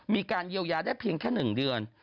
มีการเยียวยาได้เพียงแค่๑เดือน